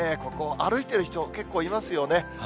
ここ、歩いている人、結構いますよね。